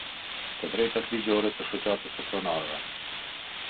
Te drejtat ligjore të Shoqatës së Pronareve.